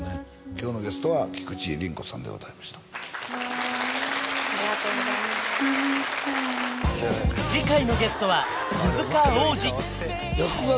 今日のゲストは菊地凛子さんでございましたありがとうございます次回のゲストは鈴鹿央士役柄